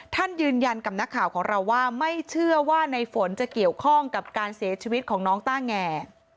ท่านยืนยันกับนักข่าวของเราว่าไม่เชื่อว่าในฝนจะเกี่ยวข้องกับการเสียชีวิตของน้องต้าแง